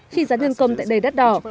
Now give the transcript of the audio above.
khi giá nhân công tại đầy đất đỏ